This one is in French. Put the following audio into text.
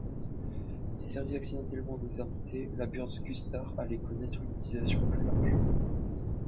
Servie accidentellement aux invités, la Bird's Custard allait connaître une utilisation plus large.